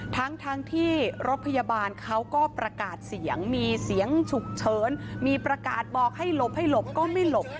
ทั้งทั้งที่รถพยาบาลเขาก็ประกาศเสียงมีเสียงฉุกเฉินมีประกาศบอกให้หลบให้หลบก็ไม่หลบ